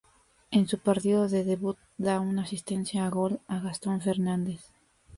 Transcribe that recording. En su partido de debut, da una asistencia de gol a Gastón Fernández.